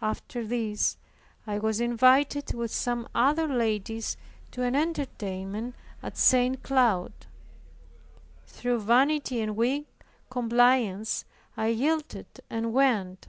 After this I was invited with some other ladies to an entertainment at St. Cloud. Through vanity and weak compliance, I yielded and went.